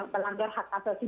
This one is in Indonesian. melanggar hak asasi